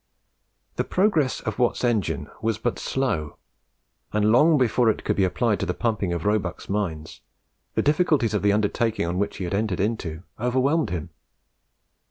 The progress of Watt's engine was but slow, and long before it could be applied to the pumping of Roebuck's mines, the difficulties of the undertaking on which he had entered overwhelmed him.